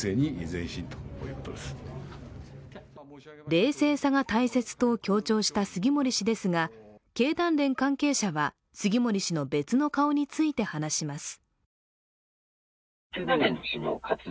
冷静さが大切と強調した杉森氏ですが、経団連関係者は、杉森氏の別の顔について話します。